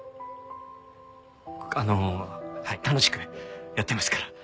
あの楽しくやってますから。